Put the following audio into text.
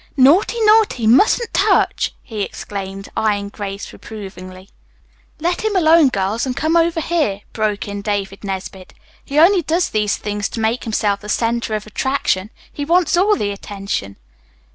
"Naughty, naughty, mustn't touch!" he exclaimed, eyeing Grace reprovingly. "Let him alone, girls, and come over here," broke in David Nesbit. "He only does these things to make himself the center of attraction. He wants all the attention."